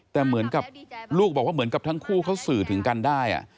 แต่เหมือนกับลูกบอกว่าเหมือนกับทั้งคู่เขาสื่อถึงกันได้